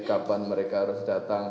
kapan mereka harus datang